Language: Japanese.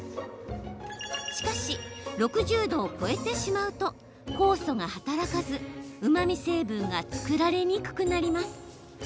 しかし、６０度を超えてしまうと酵素が働かず、うまみ成分が作られにくくなります。